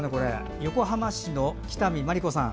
横浜市の北見麻利子さん。